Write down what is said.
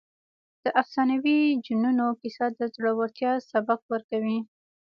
د افسانوي جنونو کیسه د زړورتیا سبق ورکوي.